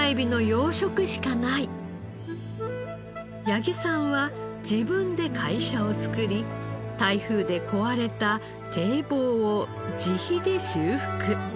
八木さんは自分で会社を作り台風で壊れた堤防を自費で修復。